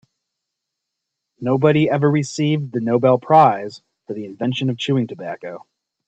Nobody ever received the Nobel prize for the invention of chewing tobacco.